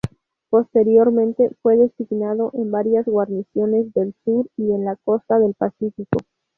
Posteriormente, fue designado en varias guarniciones del Sur y en la Costa del Pacífico.